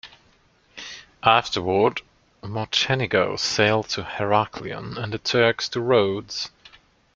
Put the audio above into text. Afterward, Mocenigo sailed to Heraklion, and the Turks to Rhodes.